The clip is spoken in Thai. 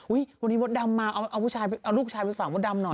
วันนี้มดดำมาเอาลูกชายไปฝากมดดำหน่อย